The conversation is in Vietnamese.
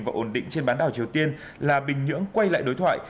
và ổn định trên bán đảo triều tiên là bình nhưỡng quay lại đối thoại